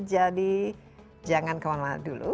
jadi jangan kemana mana dulu